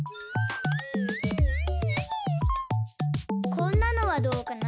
こんなのはどうかな？